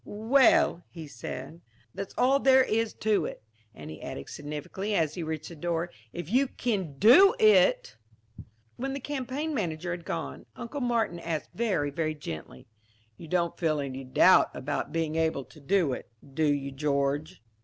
"Well," he said, "that's all there is to it." And he added significantly as he reached the door, "If you kin do it!" When the campaign manager had gone, Uncle Martin asked very, very gently: "You don't feel any doubt of being able to do it, do you, George?"